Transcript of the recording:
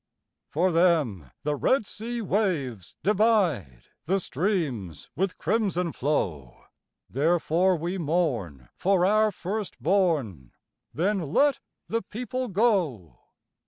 For them the Red sea waves divide, The streams with crimson flow; Therefore we mourn for our first born; Then let the people go.